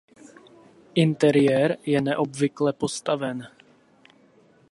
Interiér je neobvykle postaven.